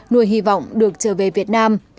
nuôi hy vọng được trở về việt nam